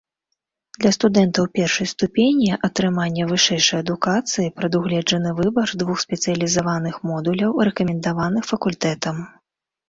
Для студэнтаў першай ступені атрымання вышэйшай адукацыі прадугледжаны выбар двух спецыялізаваных модуляў, рэкамендаваных факультэтам.